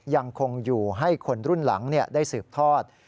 ยังคงอยู่ให้คนรุ่นหลังได้สืบทอด